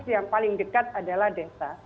yang paling dekat adalah desa